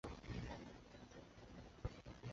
他是安格斯一世的兄弟。